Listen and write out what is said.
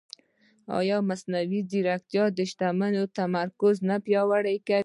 ایا مصنوعي ځیرکتیا د شتمنۍ تمرکز نه پیاوړی کوي؟